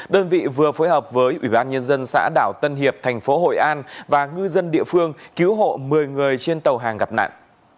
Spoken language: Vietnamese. đơn vị vừa phối hợp với ủy ban nhân dân xã đảo tân hiệp thành phố hội an và ngư dân địa phương cứu hộ một mươi người trên tàu hàng gặp nạn